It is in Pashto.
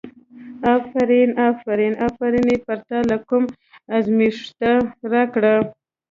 افرین افرین، افرین یې پرته له کوم ازمېښته راکړه.